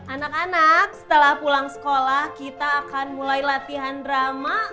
anak anak setelah pulang sekolah kita akan mulai latihan drama